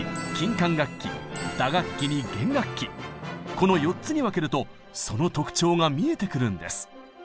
この４つに分けるとその特徴が見えてくるんです。